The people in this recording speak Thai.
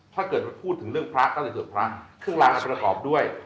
ถ้าเกิดพูดถึงเรื่องพระก็เลยเกิดพระเครื่องรางก็จะประกอบด้วย